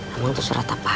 emang itu surat apaan sih